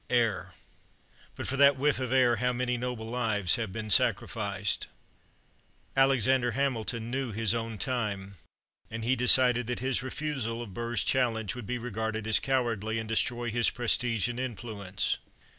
Air." But for that whiff of air how many noble lives have been sacrificed! Alexander Hamilton knew his own time, and he decided that his refusal of Burr's challenge would be regarded as cowardly, and destroy his prestige and influence.